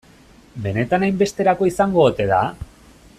Benetan hainbesterako izango ote da?